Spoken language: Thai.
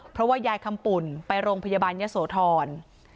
เพราะว่ายายคำปุ่นไปโรงพยาบาลยะโสธร